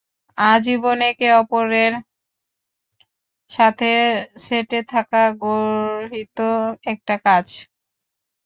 আজীবন একে ওপরের সাথে সেঁটে থাকা গর্হিত একটা কাজ!